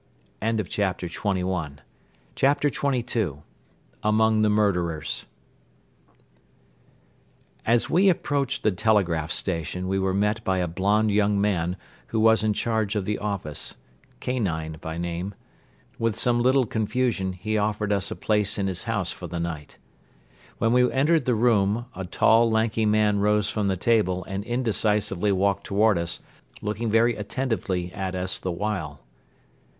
CHAPTER XXII AMONG THE MURDERERS As we approached the telegraph station, we were met by a blonde young man who was in charge of the office, Kanine by name. With some little confusion he offered us a place in his house for the night. When we entered the room, a tall, lanky man rose from the table and indecisively walked toward us, looking very attentively at us the while.